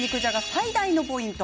最大のポイント